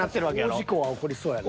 大事故は起こりそうやな。